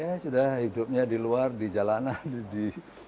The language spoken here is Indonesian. ya sudah hidupnya di luar di jalanan di